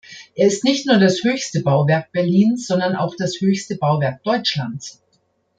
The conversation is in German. Er ist nicht nur das höchste Bauwerk Berlins, sondern auch das höchste Bauwerk Deutschlands.